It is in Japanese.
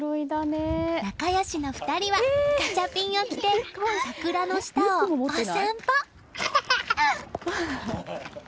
仲良しの２人はガチャピンを着て桜の下をお散歩。